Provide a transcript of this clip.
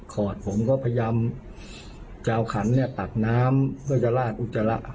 ขอดผมก็พยายามจะเอาขันเนี่ยตักน้ำเพื่อจะลาดอุจจาระ